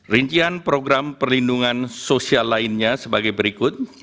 rincian program perlindungan sosial lainnya sebagai berikut